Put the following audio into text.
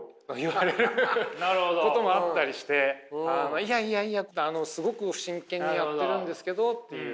いやいやいやすごく真剣にやってるんですけどっていう。